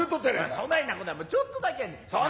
そないな事はちょっとだけやねん。